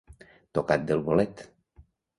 Tocat del bolet.